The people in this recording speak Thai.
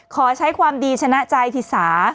ขอใช้ความดีชนะใจธิสา